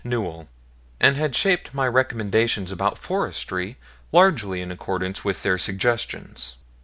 Newell, and had shaped my recommendations about forestry largely in accordance with their suggestions.